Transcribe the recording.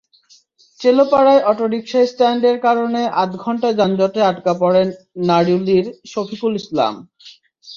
চেলোপাড়ায় অটোরিকশাস্ট্যান্ডের কারণে আধা ঘণ্টা যানজটে আটকা পড়েন নারুলীর শফিকুল ইসলাম।